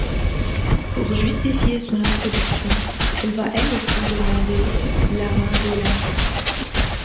Pour justifier son introduction, elle va, elle aussi, demander la main d’Olympe.